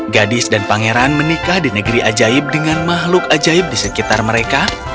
gadis dan pangeran menikah di negeri ajaib dengan makhluk ajaib di sekitar mereka